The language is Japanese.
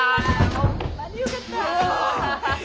ホンマによかった！